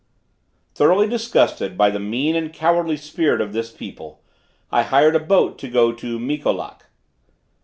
Thoroughly disgusted by the mean and cowardly spirit of this people, I hired a boat to go to Mikolak.